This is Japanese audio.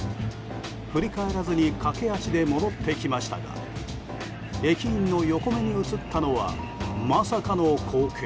振り返らずに駆け足で戻ってきましたが駅員の横目に映ったのはまさかの光景。